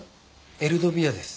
エルドビアです。